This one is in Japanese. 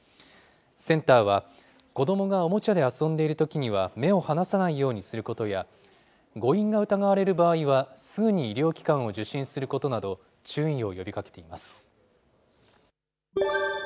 センターは、子どもがおもちゃで遊んでいるときには、目を離さないようにすることや、誤飲が疑われる場合は、すぐに医療機関を受診することなど、注意を呼びかけています。